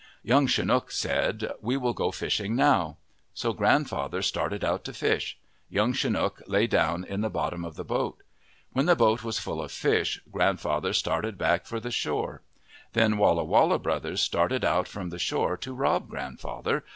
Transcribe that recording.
Young Chinook said :" We will go fishing now." So grandfather started out to fish. Young Chinook lay down in the bottom of the boat. When the boat was full of fish, grandfather started back for the shore. Then Walla Walla brothers started out from the shore to rob grandfather.